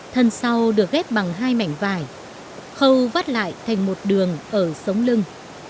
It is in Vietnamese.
thân sau được ghép bằng hai mảnh vải khâu vắt lại thành một đường ở sống lưng